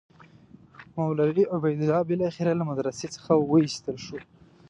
مولوي عبیدالله بالاخره له مدرسې څخه وایستل شو.